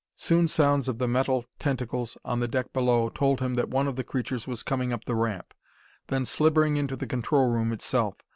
Soon sounds of the metal tentacles on the deck below told him that one of the creatures was coming up the ramp then slithering into the control room itself.